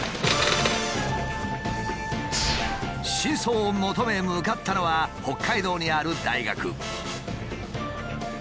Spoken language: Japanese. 真相を求め向かったのは北海道にある大学。